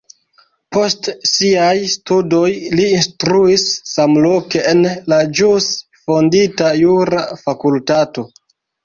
Post siaj studoj li instruis samloke en la ĵus fondita jura fakultato.